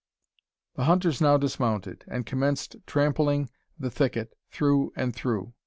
The hunters now dismounted, and commenced trampling the thicket through and through.